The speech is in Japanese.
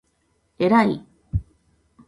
えらい